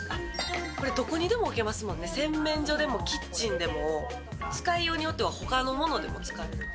これ、どこにでも置けますもんね、洗面所でもキッチンでも、使いようによっては、ほかのものでも使える。